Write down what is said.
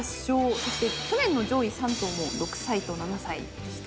そして去年の上位３頭も６歳と７歳でしたね。